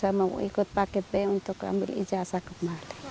saya mau ikut paket b untuk ambil ijazah kemarin